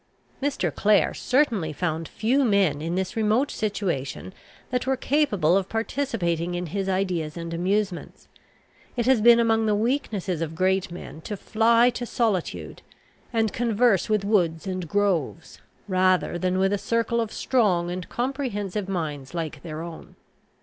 Mr. Clare certainly found few men in this remote situation that were capable of participating in his ideas and amusements. It has been among the weaknesses of great men to fly to solitude, and converse with woods and groves, rather than with a circle of strong and comprehensive minds like their own.